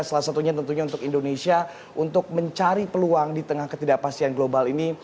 salah satunya tentunya untuk indonesia untuk mencari peluang di tengah ketidakpastian global ini